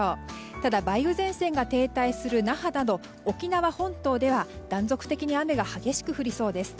ただ、梅雨前線が停滞する那覇など沖縄本島では、断続的に雨が激しく降りそうです。